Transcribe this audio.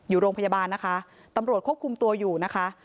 อยู่โรงพยาบาลนะคะตำรวจควบคุมตัวอยู่นะคะ